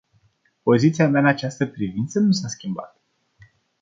Poziția mea în această privință nu s-a schimbat.